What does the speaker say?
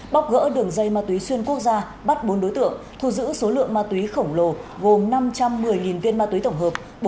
bóc gỡ đường dây ma túy xuyên quốc gia bắt bốn đối tượng thu giữ số lượng ma túy khổng lồ gồm năm trăm một mươi viên ma túy tổng hợp